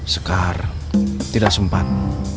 sekar tidak sempat